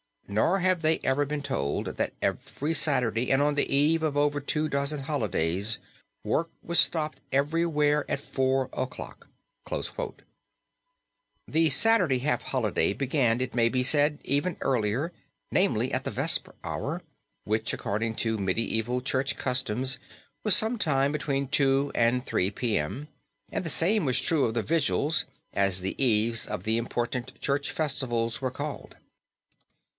Nor have they ever been told that every Saturday, and on the eve of over two dozen holidays, work was stopped everywhere at four o'clock." The Saturday half holiday began it may be said even earlier, namely at the Vesper Hour which according to medieval church customs was some time between two and three p. m. and the same was true on the vigils, as the eves of the important church festivals were called.